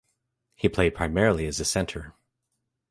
He played primarily as a centre.